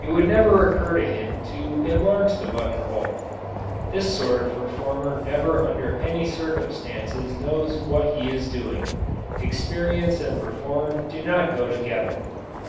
It would never occur to him to enlarge the buttonhole. This sort of reformer never under any circumstances knows what he is doing. Experience and reform do not go together.